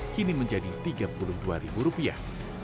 kini menjadi tiga puluh dua ribu rupiah